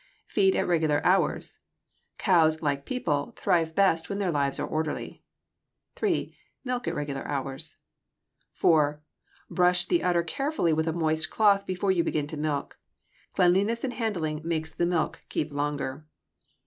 Feed at regular hours. Cows, like people, thrive best when their lives are orderly. 3. Milk at regular hours. 4. Brush the udder carefully with a moist cloth before you begin to milk. Cleanliness in handling makes the milk keep longer.